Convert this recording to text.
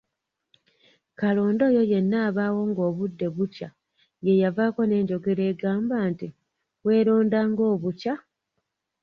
Kalonda oyo yenna abaawo ng’obudde bukya yeeyavaako n’enjogera egamba nti, “weeronda ng’obukya!